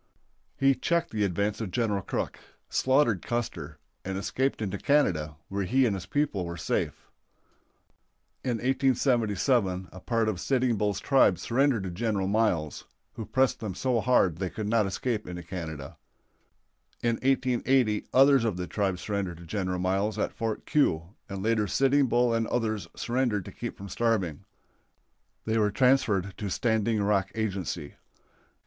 He checked the advance of General Crook, slaughtered Custer, and escaped into Canada, where he and his people were safe. In 1877 a part of Sitting Bull's tribe surrendered to General Miles, who pressed them so hard they could not escape into Canada. In 1880 others of the tribe surrendered to General Miles at Fort Keogh, and later Sitting Bull and others surrendered to keep from starving. They were transferred to Standing Rock Agency.